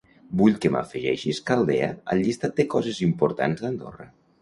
Vull que m'afegeixis Caldea al llistat de coses importants d'Andorra.